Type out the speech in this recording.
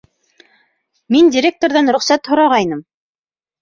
Мин директорҙан рөхсәт һорағайным.